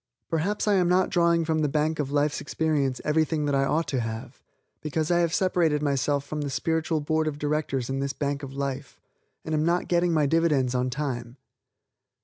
Perhaps I am not drawing from the bank of life's experience everything that I ought to have because I have separated myself from the spiritual board of directors in this bank of life, and am not getting my dividends on time.